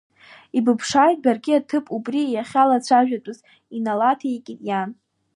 Ибыԥшааит баргьы аҭыԥ, убри иахьалацәажәатәыз, иналаҭеикит иан.